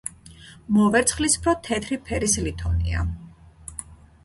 მოვერცხლისფრო-თეთრი ფერის ლითონია.